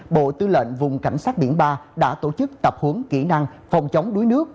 bộ tư lệnh vùng cảnh sát biển ba đã tổ chức tập huấn kỹ năng phòng chống đuối nước